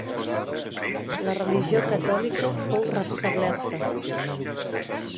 La religió catòlica fou restablerta.